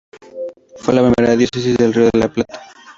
Fue la primera diócesis del Río de la Plata.